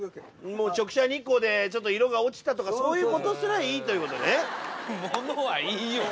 もう直射日光でちょっと色が落ちたとかそういう事すらいいという事ね。